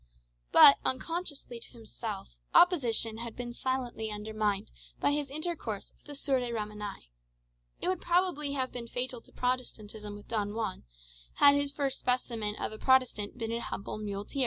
But, unconsciously to himself, opposition had been silently undermined by his intercourse with the Sieur de Ramenais. It would probably have been fatal to Protestantism with Don Juan, had his first specimen of a Protestant been an humble muleteer.